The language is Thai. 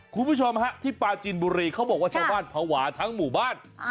คุณผู้ชมฮะที่ปลาจีนบุรีเขาบอกว่าชาวบ้านภาวะทั้งหมู่บ้าน